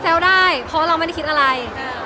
ได้เพราะเราไม่ได้คิดอะไร